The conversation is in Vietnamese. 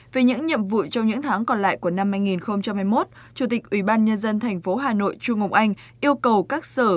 về những nhiệm vụ trong những tháng còn lại của năm hai nghìn hai mươi một chủ tịch ủy ban nhân dân thành phố hà nội chu ngọc anh yêu cầu các sở